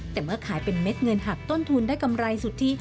แต่เมื่อขายเป็นเม็ดเงินหักต้นทุนได้กำไรสุทธิ